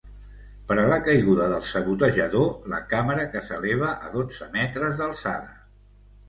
Per a la caiguda del sabotejador, la càmera que s'eleva a dotze metres d'alçada.